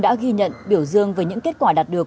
đã ghi nhận biểu dương về những kết quả đạt được